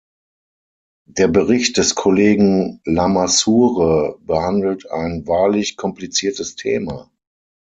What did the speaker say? Der Bericht des Kollegen Lamassoure behandelt ein wahrlich kompliziertes Thema.